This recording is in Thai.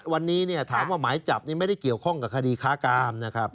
วันนี้ถามว่าหมายจับนี้ไม่ได้เกี่ยวข้องกับคดีค้ากาม